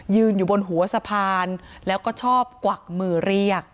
อยู่บนหัวสะพานแล้วก็ชอบกวักมือเรียก